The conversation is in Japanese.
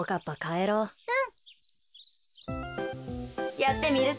やってみるか？